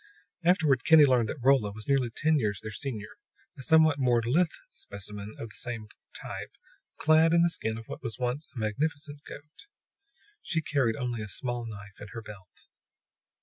Afterward Kinney learned that Rolla was nearly ten years their senior, a somewhat more lithe specimen of the same type, clad in the skin of what was once a magnificent goat. She carried only a single small knife in her belt.